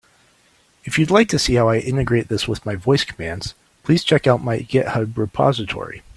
If you'd like to see how I integrate this with my voice commands, please check out my GitHub repository.